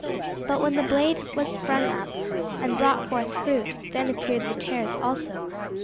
But when the blade was sprung up, and brought forth fruit, then appeared the tares also.